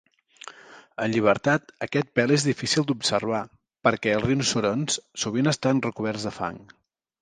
En llibertat aquest pèl és difícil d'observar perquè els rinoceronts sovint estan recoberts de fang.